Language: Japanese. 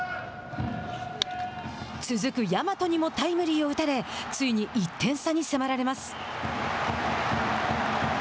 続く大和にもタイムリーを打たれついに１点差に迫られます。